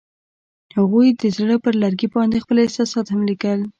هغوی د زړه پر لرګي باندې خپل احساسات هم لیکل.